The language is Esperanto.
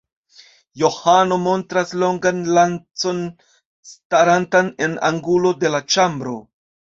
Johano montras longan lancon starantan en angulo de la ĉambro.